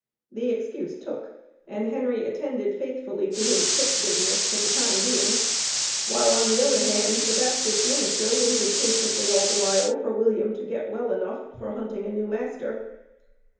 The excuse took and Henry attended faithfully to his "sick business," for the time being, while on the other hand, the Baptist Minister waited patiently all the while for William to get well enough for hunting a new master.